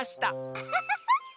アハハハハ！